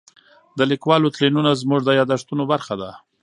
د لیکوالو تلینونه زموږ د یادښتونو برخه ده.